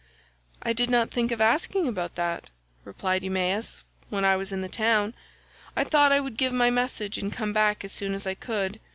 "I did not think of asking about that," replied Eumaeus, "when I was in the town. I thought I would give my message and come back as soon as I could.